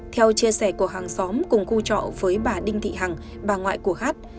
theo chia sẻ của hàng xóm cùng khu trọ với bà đinh thị hằng bà ngoại của hát